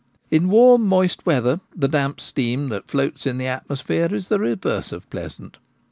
In warm moist weather the damp steam that floats in the atmosphere is the reverse of pleasant.